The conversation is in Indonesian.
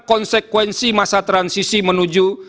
konsekuensi masa transisi menuju